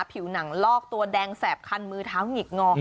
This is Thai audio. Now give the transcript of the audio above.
ผิวหนังลอกตัวแดงแสบคันมือเท้าหงิกงอ